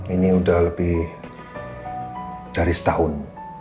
ini sudah lebih dari setahun